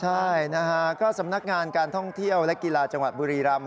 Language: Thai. ใช่นะฮะก็สำนักงานการท่องเที่ยวและกีฬาจังหวัดบุรีรำ